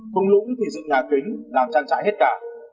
khung lũng thì dựng nhà kính làm trăn trại hết cả